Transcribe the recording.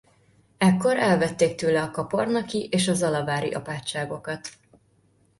Ekkor elvették tőle a kapornaki és a zalavári apátságokat.